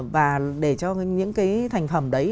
và để cho những cái thành phẩm đấy